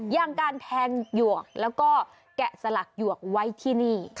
อย่างการแทงหยวกแล้วก็แกะสลักหยวกไว้ที่นี่